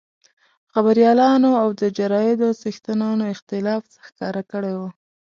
خبریالانو او د جرایدو څښتنانو اختلاف ښکاره کړی وو.